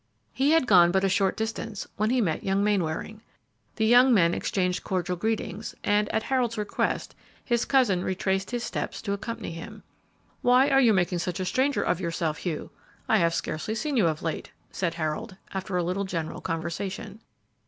He had gone but a short distance when he met young Mainwaring. The young men exchanged cordial greetings, and, at Harold's request, his cousin retraced his steps to accompany him. "Why are you making such a stranger of yourself; Hugh? I have scarcely seen you of late," said Harold, after a little general conversation.